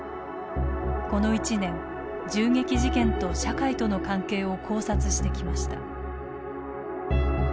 この１年銃撃事件と社会との関係を考察してきました。